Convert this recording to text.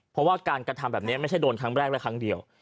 เพราะว่าการกระทำแบบนี้ไม่ใช่โดนครั้งแรกและครั้งเดียว